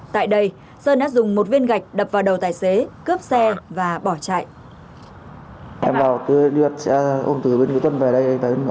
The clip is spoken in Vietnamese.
tại đây sơn đã dùng một viên gạch đập vào đầu tài xế cướp xe và bỏ chạy